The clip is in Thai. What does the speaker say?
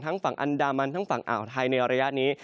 ฝั่งอันดามันทั้งฝั่งอ่าวไทยในระยะนี้